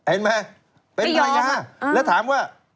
เห็นไหมเป็นภรรยาแล้วถามว่า